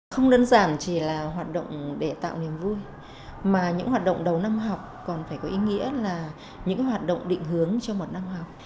không đơn giản chỉ là hoạt động để tạo niềm vui mà những hoạt động đầu năm học còn phải có ý nghĩa là những hoạt động định hướng cho một năm học